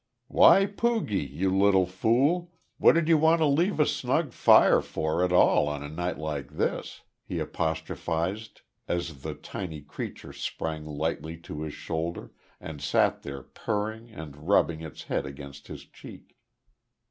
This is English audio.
"Why, Poogie, you little fool, what did you want to leave a snug fire for at all on a night like this?" he apostrophised as the tiny creature sprang lightly to his shoulder, and sat there purring and rubbing its head against his cheek.